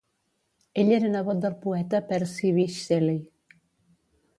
Ell era nebot del poeta Percy Bysshe Shelley.